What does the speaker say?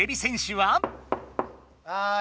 はい。